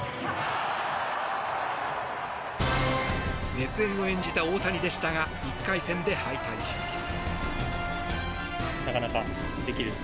熱戦を演じた大谷でしたが１回戦で敗退しました。